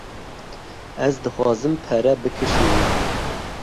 Ez dixwazim pere bikişînim.